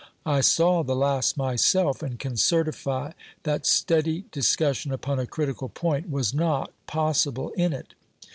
I saw the last myself, and can certify that steady discussion upon a critical point was not possible in it.